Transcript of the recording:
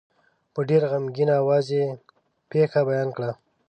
په ډېر غمګین آواز یې پېښه بیان کړه.